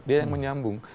dia yang menyambung